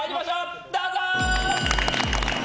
どうぞ。